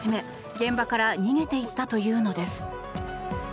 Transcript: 現場から逃げていったというのです。